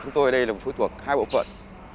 chúng tôi ở đây là một phụ thuộc hai bộ phận